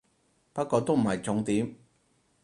不過都唔係重點